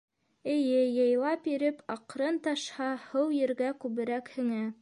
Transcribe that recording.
— Эйе, яйлап иреп, аҡрын ташһа, һыу ергә күберәк һеңә.